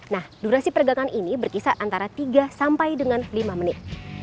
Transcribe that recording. nah durasi pergangan ini berkisar antara tiga sampai dengan lima menit